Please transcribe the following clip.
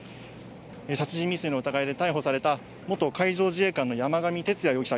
殺人未遂の疑いで逮捕された元海上自衛官の山上徹也容疑者